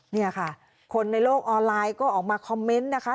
นี่ค่ะคนในโลกออนไลน์ก็ออกมาคอมเมนต์นะคะ